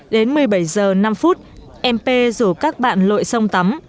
đến một mươi bảy giờ năm phút em p rủ các bạn lội sông tắm